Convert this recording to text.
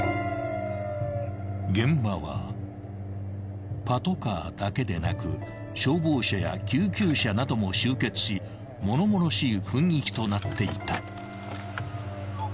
［現場はパトカーだけでなく消防車や救急車なども集結し物々しい雰囲気となっていた］